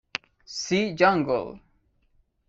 See Jungle!